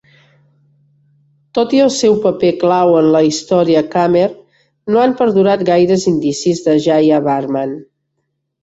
Tot i el seu paper clau en la història khmer, no han perdurat gaires indicis de Jayavarman.